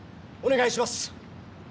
お願いします！